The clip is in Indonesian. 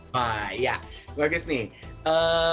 wah ya bagus nih